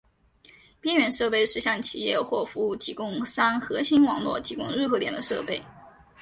边缘设备是向企业或服务提供商核心网络提供入口点的设备。